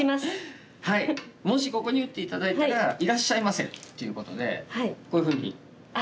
もしここに打って頂いたら「いらっしゃいませ」っていうことでこういうふうに。